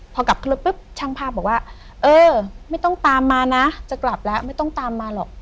พอกลับขึ้นรถปุ๊บช่างภาพบอกว่าเออไม่ต้องตามมานะจะกลับแล้วไม่ต้องตามมาหรอก